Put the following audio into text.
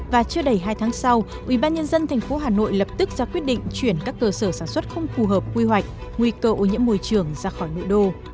và chưa đầy hai tháng sau ubnd tp hà nội lập tức ra quyết định chuyển các cơ sở sản xuất không phù hợp quy hoạch nguy cơ ô nhiễm môi trường ra khỏi nội đô